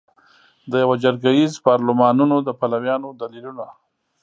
د یوه جرګه ایز پارلمانونو د پلویانو دلیلونه